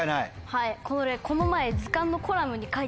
はいこれこの前。